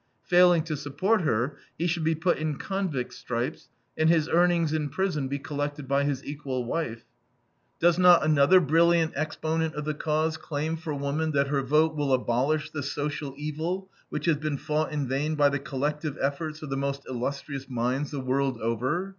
Failing to support her, he should be put in convict stripes, and his earnings in prison be collected by his equal wife. Does not another brilliant exponent of the cause claim for woman that her vote will abolish the social evil, which has been fought in vain by the collective efforts of the most illustrious minds the world over?